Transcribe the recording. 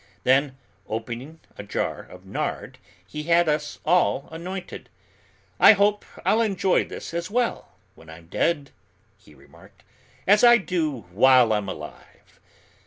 Then, opening a jar of nard, he had us all anointed. "I hope I'll enjoy this as well when I'm dead," he remarked, "as I do while I'm alive."